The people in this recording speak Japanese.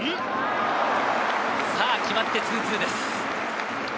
決まって２ー２です。